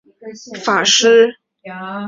儿子为素性法师。